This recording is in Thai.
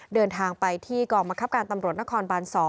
เดินทางไปที่กองบังคับการตำรวจนครบาน๒